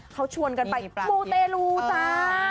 เขาชวนกันไปมูเตลูจ้า